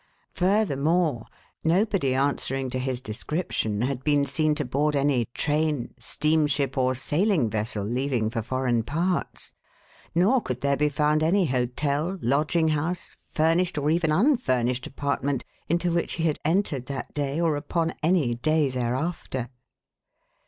Furthermore, nobody answering to his description had been seen to board any train, steamship, or sailing vessel leaving for foreign parts, nor could there be found any hotel, lodging house, furnished or even unfurnished apartment into which he had entered that day or upon any day thereafter.